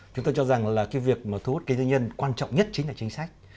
chúng ta cho rằng việc thu hút kính tư nhân quan trọng nhất chính là chính sách